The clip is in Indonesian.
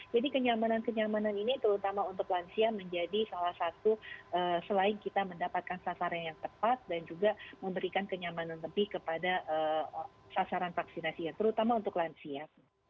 jadi kenyamanan kenyamanan ini terutama untuk lansia menjadi salah satu selain kita mendapatkan sasaran yang tepat dan juga memberikan kenyamanan lebih kepada sasaran vaksinasi ya terutama untuk lansia